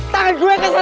tangan gue kesel